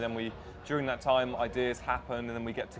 dan pada waktu itu ide ide terjadi dan kita berkumpul